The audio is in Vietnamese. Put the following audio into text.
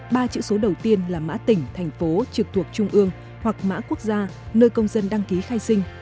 ba chữ số đầu tiên là mã tỉnh thành phố trực thuộc trung ương hoặc mã quốc gia nơi công dân đăng ký khai sinh